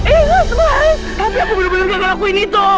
ingat mas tapi aku bener bener gak ngakuin itu